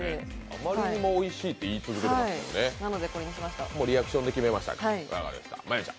あまりにもおいしいって言い続けてましたね。